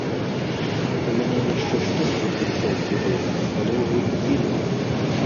У мяне яшчэ штых з вінтоўкі быў, але ўжо купілі.